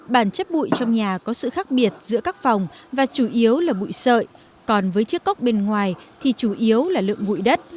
bản chất mụi trong nhà có sự khác biệt giữa các phòng và chủ yếu là mụi sợi còn với chiếc ốc bên ngoài thì chủ yếu là lượng mụi đất